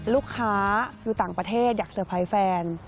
ลูกค้าอยู่ต่างประเทศอยากเซอร์ไพรส์แฟน